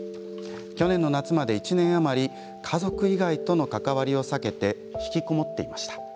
去年の夏まで１年余り家族以外との関わりを避けてひきこもっていました。